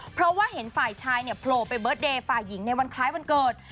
เพราะว่าเห็นฝ่ายชายเนี่ยโผล่ไปเบิร์ดเดย์ฝ่ายหญิงในวันคล้ายวันเกิด